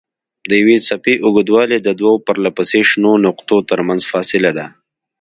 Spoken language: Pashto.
د یوې څپې اوږدوالی د دوو پرلهپسې شنو نقطو ترمنځ فاصله ده.